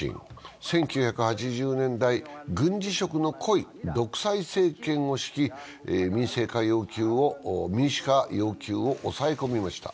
１９８０年代、軍事色の濃い独裁政権を敷き民主化要求を抑え込みました。